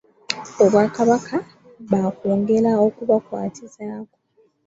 Obwakabaka baakwongera okubakwatizaako.